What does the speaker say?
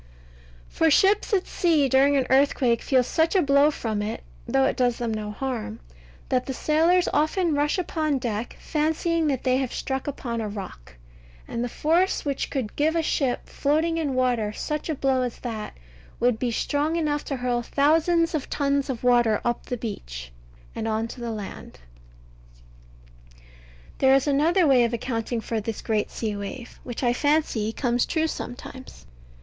For ships at sea during an earthquake feel such a blow from it (though it does them no harm) that the sailors often rush upon deck fancying that they have struck upon a rock; and the force which could give a ship, floating in water, such a blow as that, would be strong enough to hurl thousands of tons of water up the beach, and on to the land. But there is another way of accounting for this great sea wave, which I fancy comes true sometimes.